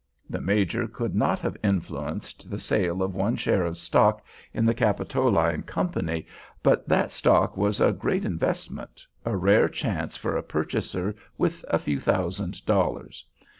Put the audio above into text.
The Major could not have influenced the sale of one share of stock in the Capitoline Company. But that stock was a great investment; a rare chance for a purchaser with a few thousand dollars.